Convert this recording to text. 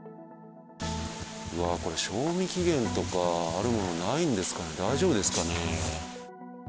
これ、賞味期限とかあるものないんですかね、大丈夫ですかね。